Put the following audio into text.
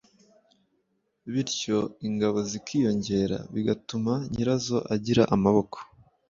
bityo ingabo zikiyongera bigatuma nyirazo agira amaboko.